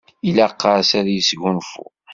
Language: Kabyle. Ilaq-as ad yesgunfu.